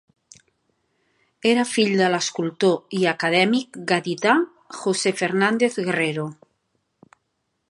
Era fill de l'escultor i acadèmic gadità José Fernández Guerrero.